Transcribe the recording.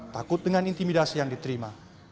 takut dengan intimidasi yang diterima